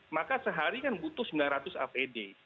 maka sehari kan butuh sembilan ratus apd